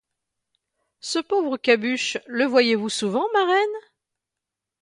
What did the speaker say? Ce pauvre Cabuche, le voyez-vous souvent, marraine?